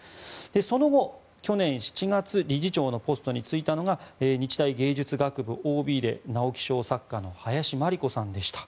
その後、去年７月理事長のポストに就いたのが日大芸術学部ＯＢで直木賞作家の林真理子さんでした。